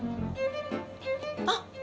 あっ！